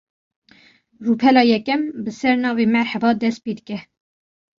Rûpela yekem, bi sernavê "Merhaba" dest pê dike